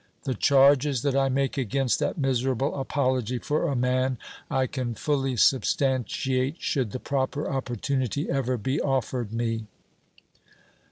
"The charges that I make against that miserable apology for a man I can fully substantiate should the proper opportunity ever be offered me!"